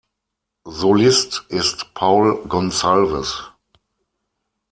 Solist ist Paul Gonsalves.